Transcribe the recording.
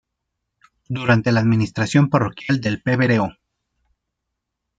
Durante la administración parroquial del Pbro.